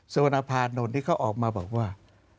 สวนภานนท์นี้เขาออกมาบอกว่า